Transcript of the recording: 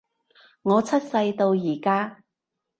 我出世到而家